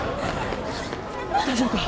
大丈夫か？